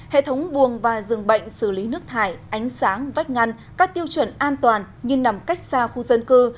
hệ thống buồng và rừng bệnh xử lý nước thải ánh sáng vách ngăn các tiêu chuẩn an toàn như nằm cách xa khu dân cư